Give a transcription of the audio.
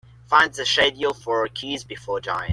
Find the schedule for A Kiss Before Dying.